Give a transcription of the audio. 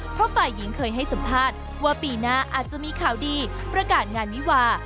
เพราะฝ่ายหญิงเคยให้สัมภาษณ์ว่าปีหน้าอาจจะมีข่าวดีประกาศงานวิวา